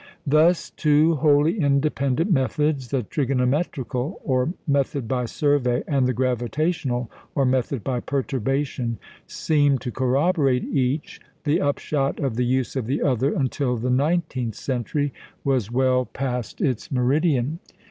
Thus, two wholly independent methods the trigonometrical, or method by survey, and the gravitational, or method by perturbation seemed to corroborate each the upshot of the use of the other until the nineteenth century was well past its meridian.